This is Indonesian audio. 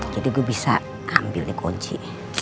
jadi gue bisa ambil nih kunci